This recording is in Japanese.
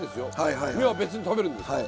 身は別に食べるんですから。